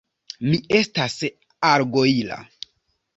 Mi estas orgojla.